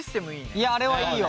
いやあれはいいよ。